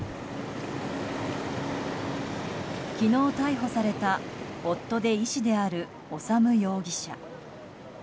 昨日逮捕された夫で医師である修容疑者。